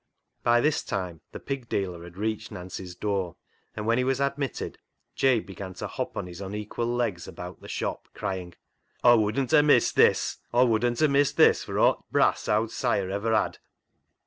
By this time the pig dealer had reached Nancy's door, and when he was admitted Jabe began to hop on his unequal legs about the shop, crying —" Aw wodn't ha' missed this ; Aw wodn't ha* missed this for aw t' brass owd 'Siah ever had."